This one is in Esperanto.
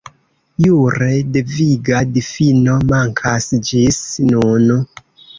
Jure deviga difino mankas ĝis nun.